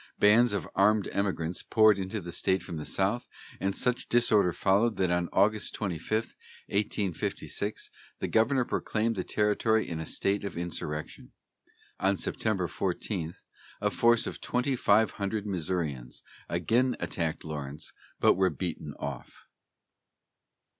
Bands of armed emigrants poured into the state from the south, and such disorder followed that on August 25, 1856, the governor proclaimed the territory in a state of insurrection. On September 14 a force of twenty five hundred Missourians again attacked Lawrence, but were beaten off.